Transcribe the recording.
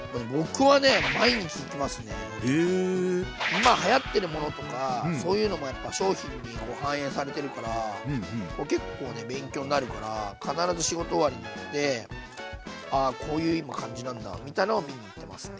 今流行ってるものとかそういうのもやっぱ商品に反映されてるから結構ね勉強になるから必ず仕事終わりに行ってあこういう今感じなんだみたいのを見に行ってますね。